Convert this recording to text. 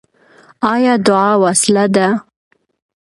آیا دعا وسله ده؟